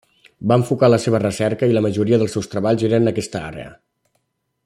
Va enfocar la seva recerca i la majoria dels seus treballs en aquesta àrea.